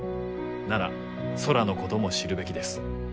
なら空のことも知るべきです。